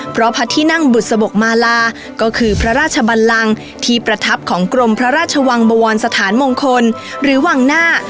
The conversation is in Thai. เพราะพระที่นั่งบุษบกมาลาก็คือพระราชบันลังที่ประทับของกรมพระราชวังบวรสถานมงคลหรือวังหน้า